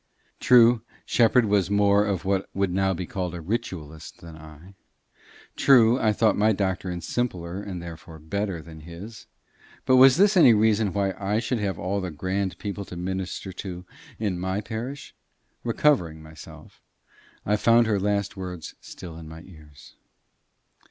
True, Shepherd was more of what would now be called a ritualist than I; true, I thought my doctrine simpler and therefore better than his; but was this any reason why I should have all the grand people to minister to in my parish! Recovering myself, I found her last words still in my ears.